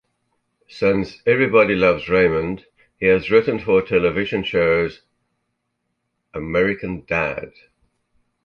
Since "Everybody Loves Raymond", he has written for the television shows "American Dad!